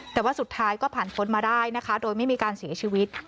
แต่ว่าสุดท้ายก็ผ่านพ้นมาได้นะคะโดยไม่มีการเสียชีวิต